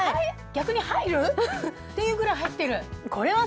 逆に入る？っていうぐらい入ってる！